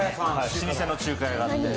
老舗の中華屋があって。